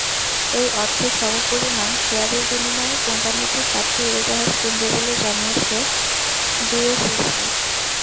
এই অর্থের সমপরিমাণ শেয়ারের বিনিময়ে কোম্পানিটি সাতটি উড়োজাহাজ কিনবে বলে জানিয়েছে বিএসইসি।